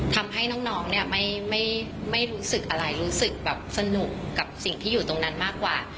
ทำให้น้องเนี่ยไม่รู้สึกอะไรรู้สึกแบบสนุกกับสิ่งที่อยู่ตรงนั้นมากกว่า